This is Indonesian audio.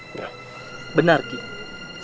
jangan sampai pembicaraan ini ada yang dengar